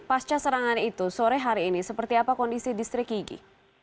pasca serangan itu sore hari ini seperti apa kondisi distrik yigi